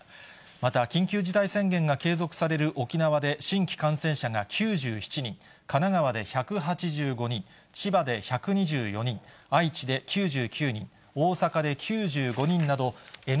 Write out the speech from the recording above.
また緊急事態宣言が継続される沖縄で、新規感染者が９７人、神奈川で１８５人、千葉で１２４人、愛知で９９人、大阪で９５人など、以上、